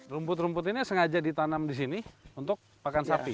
rumput rumput ini sengaja ditanam di sini untuk pakan sapi